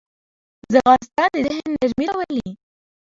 ځغاسته د ذهن نرمي راولي